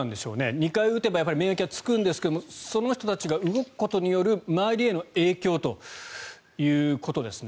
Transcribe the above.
２回打てば免疫はつくんでしょうけどその人たちが動くことによる周りへの影響ということですね。